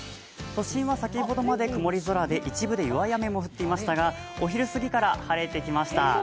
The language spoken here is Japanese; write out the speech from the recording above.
都心は、先ほどまで曇り空で一部で弱い雨も降っていましたが、お昼過ぎから晴れてきました。